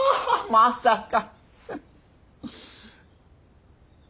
まさか。